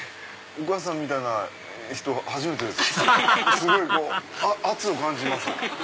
すごい圧を感じます。